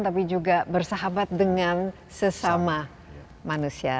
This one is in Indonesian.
tapi juga bersahabat dengan sesama manusia